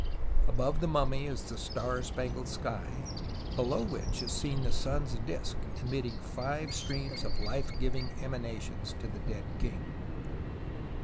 Above the mummy is the star spangled sky, below which is seen the sun's disc emitting five streams of life giving emanations to the dead king.